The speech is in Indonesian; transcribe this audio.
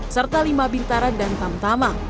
serta lima bintaran dan tam tama